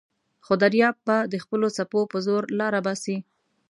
خو دریاب د خپلو څپو په زور لاره باسي.